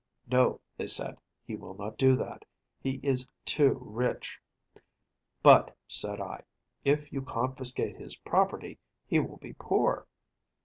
No, they said, he will not do that; he is too rich. But, said I, if you confiscate his property, he will be poor.